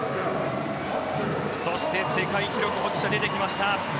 そして世界記録保持者が出てきました。